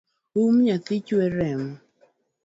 Um nyathi chuer remo